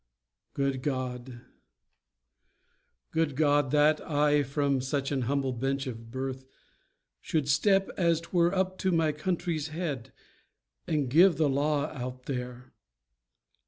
Good God, good Go, That I from such an humble bench of birth Should step as twere up to my country's head, And give the law out there!